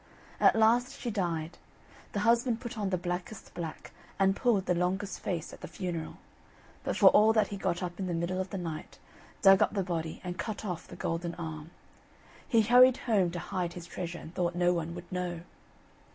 At last she died. The husband put on the blackest black, and pulled the longest face at the funeral; but for all that he got up in the middle of the night, dug up the body, and cut off the golden arm. He hurried home to hide his treasure, and thought no one would know.